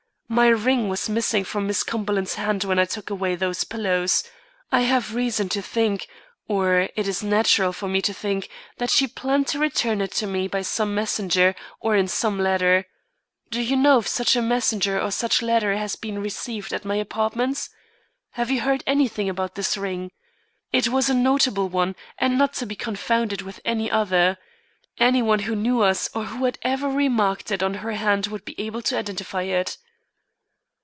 "My ring was missing from Miss Cumberland's hand when I took away those pillows. I have reason to think or it is natural for me to think that she planned to return it to me by some messenger or in some letter. Do you know if such messenger or such letter has been received at my apartments? Have you heard anything about this ring? It was a notable one and not to be confounded with any other. Any one who knew us or who had ever remarked it on her hand would be able to identify it."